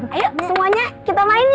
ayo semuanya kita main